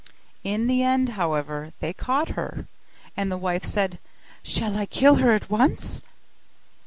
In the end, however, they caught her: and the wife said, 'Shall I kill her at once?